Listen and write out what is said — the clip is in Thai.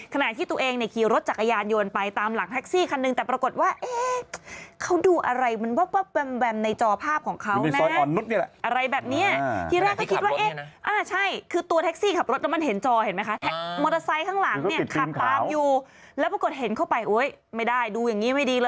ขนาดที่ตัวเองขี่รถจักรยานโยนไปตามหลังแท็กซี่คันนึง